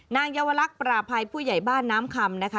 เยาวลักษณ์ปราภัยผู้ใหญ่บ้านน้ำคำนะคะ